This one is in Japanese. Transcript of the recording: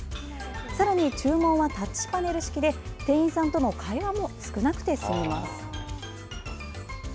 さらに、注文はタッチパネル式で店員さんとの会話も少なくて済みます。